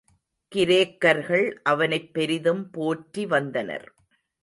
கிரேக்கர்கள் அவனைப் பெரிதும் போற்றி வந்தனர்.